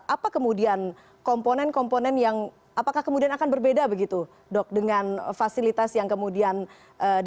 apa kemudian komponen komponen yang apakah kemudian akan berbeda begitu dok dengan fasilitas yang kemudian diberikan